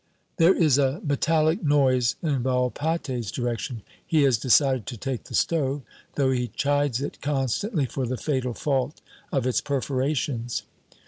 There is a metallic noise in Volpatte's direction. He has decided to take the stove, though he chides it constantly for the fatal fault of its perforations.